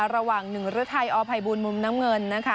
ระหว่างหนึ่งฤทธิ์ไทยออภัยบูรณ์มุมน้ำเงิน